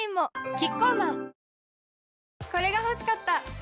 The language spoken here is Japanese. キッコーマンこれが欲しかった！